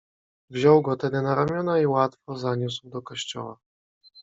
"Wziął go tedy na ramiona i łatwo zaniósł do kościoła."